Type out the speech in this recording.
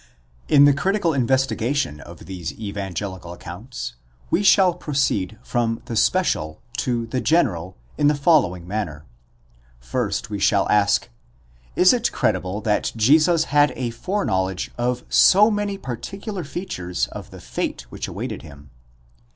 In the critical investigation of these evangelical accounts, we shall proceed' from the special to the general, in the following manner, First we shall ask = Is it credible that Jesus had a foreknowledge of so many particular features of the fate which awaited him?